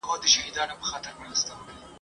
د بادار تر چړې لاندي یې انجام وي !.